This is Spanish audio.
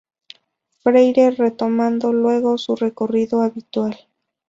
Freyre, retomando luego su recorrido habitual.